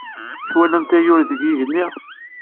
Twalamt ayyur deg yigenni?